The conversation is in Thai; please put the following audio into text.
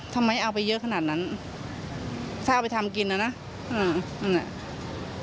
ทำไมเอาไปเยอะขนาดนั้นถ้าเอาไปทำกินแล้วน่ะอืมอืมอืม